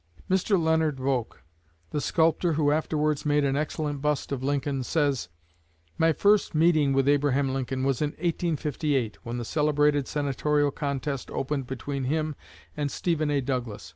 Mr. Leonard Volk, the sculptor who afterwards made an excellent bust of Lincoln, says: "My first meeting with Abraham Lincoln was in 1858, when the celebrated Senatorial contest opened between him and Stephen A. Douglas.